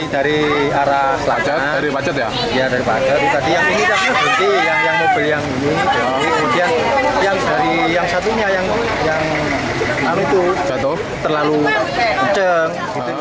dari arah pacet yang ini yang berhenti yang mobil yang ini yang satunya yang terlalu kencang